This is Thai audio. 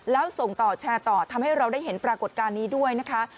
แล้วส่งต่อแชร์ต่อทำให้เราได้เห็นปรากฏการณ์นี้ด้วยนะคะ